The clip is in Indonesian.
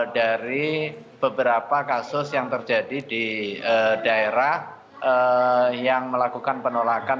dari beberapa kasus yang terjadi di daerah yang melakukan penolakan